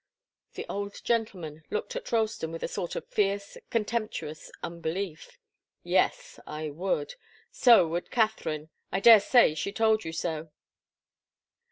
The old gentleman looked at Ralston with a sort of fierce, contemptuous unbelief. "Yes I would. So would Katharine. I daresay she told you so."